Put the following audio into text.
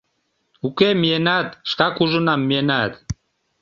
— Уке, миенат, шкак ужынам, миенат...